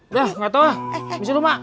udah enggak tau pak